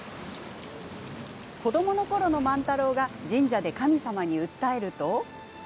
子どものころの万太郎が神社で神様に訴えると。